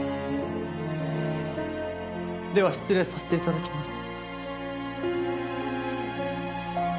では失礼させて頂きます。